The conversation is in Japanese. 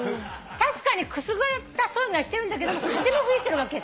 確かにくすぐったそうにはしてるんだけども風も吹いてるわけさ。